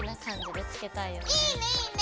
いいねいいね！